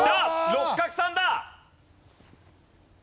六角さんだ！